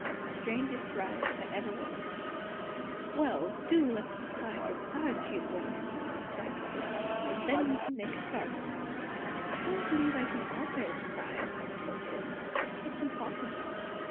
THE STRANGEST RIDE THAT EVER WAS "Well, do let's decide what size she is going to be," cried Coppertop, "and then we can make a start." "I don't believe it can alter its size," said Tibbs. "It's impossible."